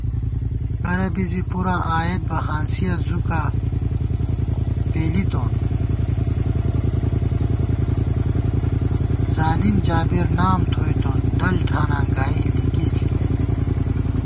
کرہ بی زی پُراں آئیت بہ ہانسیَہ زُکا پېلِیتون * ظالم جابر نام تھوَئیتون ڈل ٹھاناں گائی لِکی ݪِمېت